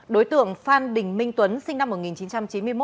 đối tượng phan đình minh tuấn sinh năm một nghìn chín trăm chín mươi một